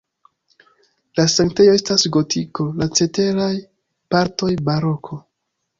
La sanktejo estas gotiko, la ceteraj partoj baroko.